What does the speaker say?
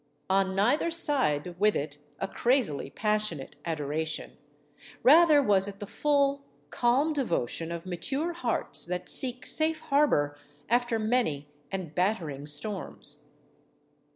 On neither side with it a crazily passionate adoration. Rather was it the full, calm devotion of mature hearts that seek safe harbor after many and battering storms.